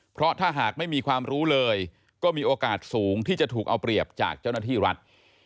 เพราะถ้าหากไม่มีความรู้เลยก็มีโอกาสสูงที่จะถูกเอาเปรียบจากเจ้าหน้าที่รัฐ